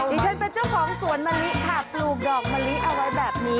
ดิฉันเป็นเจ้าของสวนมะลิค่ะปลูกดอกมะลิเอาไว้แบบนี้